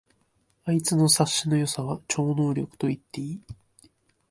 あいつの察しの良さは超能力と言っていい